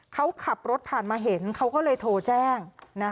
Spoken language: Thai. เขาขับรถผ่านมาเห็นเขาก็เลยโทรแจ้ง